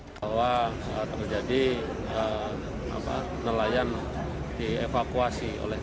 bahwa saat terjadi nelayan dievakuasi oleh